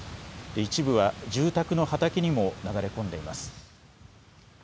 一部は住宅の畑にも流れ込んでいます。